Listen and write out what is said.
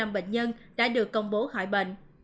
bệnh nhân đã được công bố khỏi bệnh